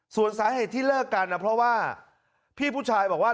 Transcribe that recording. ส่วนสาเหตุที่เลิกกันนะเพราะว่าพี่ผู้ชายบอกว่า